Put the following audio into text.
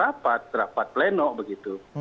rapat rapat pleno begitu